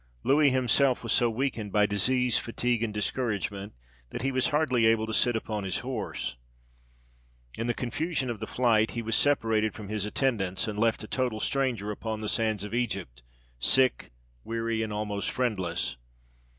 Louis himself was so weakened by disease, fatigue, and discouragement, that he was hardly able to sit upon his horse. In the confusion of the flight he was separated from his attendants, and left a total stranger upon the sands of Egypt, sick, weary, and almost friendless.